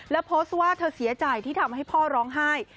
แล้วโพสต์ว่าเธอเสียใจที่ทำให้พ่อร้องไห้